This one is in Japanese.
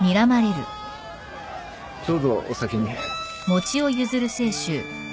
どうぞお先に。